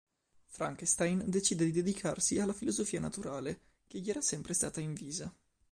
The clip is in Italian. Frankenstein decide di dedicarsi alla filosofia naturale, che gli era sempre stata invisa.